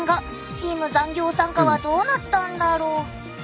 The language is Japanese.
チーム残業参加はどうなったんだろう？